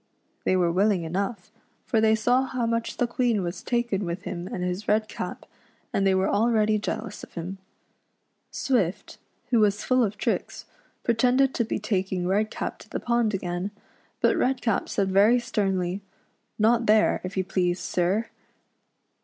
They were willing enough, for thev saw how much the Queen was taken with him and his red cap, and they were already jealous of him. Swift, who was full of tricks, pretended to be taking Redcap to the pond again, but Redcap said very sternly, "Not there, if } ou please, sir."